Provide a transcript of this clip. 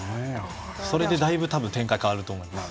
それでだいぶ展開が変わると思います。